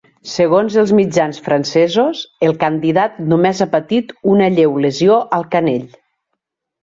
Segons els mitjans francesos, el candidat només ha patit una lleu lesió al canell.